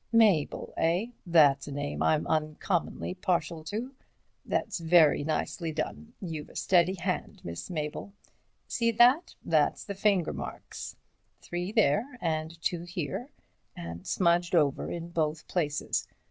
Mabel, eh? That's a name I'm uncommonly partial to—that's very nicely done, you've a steady hand, Miss Mabel—see that? That's the finger marks—three there, and two here, and smudged over in both places.